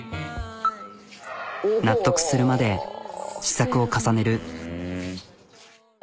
納得するまで試作を重ねる。